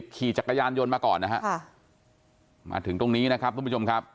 ขี่จักรยานยนต์มาก่อนนะฮะมาถึงตรงนี้นะครับทุกผู้ชมครับ